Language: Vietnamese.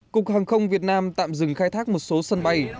cục hàng không việt nam tạm dừng khai thác một số sân bay